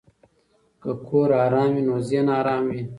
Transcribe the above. که کور آرام وي نو ذهن آرام وي.